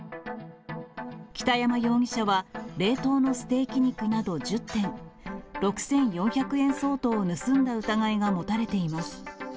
北山容疑者は、冷凍のステーキ肉など１０点、６４００円相当を盗んだ疑いが持たれています。